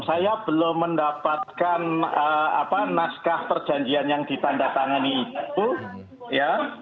saya belum mendapatkan naskah perjanjian yang ditanda tangani itu ya